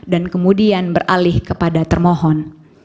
dan kemudian beralih kepada termohon